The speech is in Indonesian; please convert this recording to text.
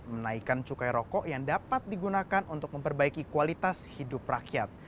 menaikkan cukai rokok yang dapat digunakan untuk memperbaiki kualitas hidup rakyat